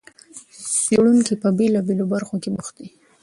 څېړونکي په بېلابېلو برخو کې بوخت دي.